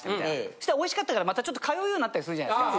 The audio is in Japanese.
したら美味しかったからまた通うようになったりするじゃないですか。